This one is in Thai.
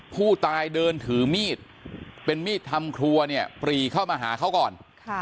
ผู้ตายเดินถือมีดเป็นมีดทำครัวเนี่ยปรีเข้ามาหาเขาก่อน